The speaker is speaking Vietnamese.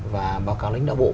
và báo cáo lãnh đạo bộ